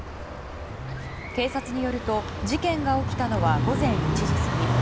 警察によると事件が起きたのは午前１時過ぎ。